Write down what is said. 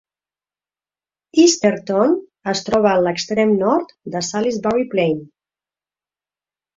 Easterton es troba en l'extrem nord de Salisbury Plain.